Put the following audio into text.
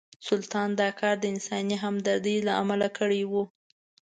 سلطان دا کار د انساني همدردۍ له امله کړی و.